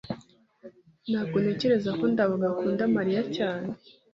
ntabwo ntekereza ko ndabaga akunda mariya cyane